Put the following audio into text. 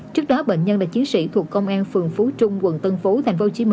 trước đó bệnh nhân là chiến sĩ thuộc công an phường phú trung quận tân phú tp hcm